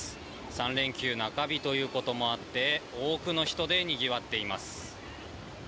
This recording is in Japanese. ３連休中日ということもあって多くの人でにぎわっています。